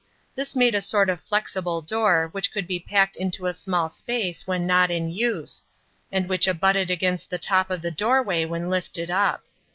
This made a sort of flexible door which could be packed into a small space when not in use, and which abutted against the top of the doorway when lifted up.